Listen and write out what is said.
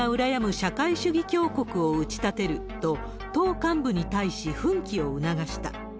社会主義強国を打ち立てると、党幹部に対し奮起を促した。